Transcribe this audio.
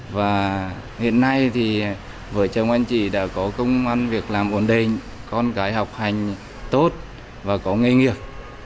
và hiện nay thì vợ chồng anh chị đã có công an việc làm ổn định con cái học hành tốt